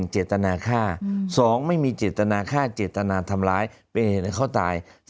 เจตนาฆ่า๒ไม่มีเจตนาฆ่าเจตนาทำร้ายเป็นเหตุให้เขาตาย